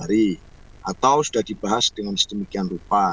atau sudah dibahas dengan sedemikian rupa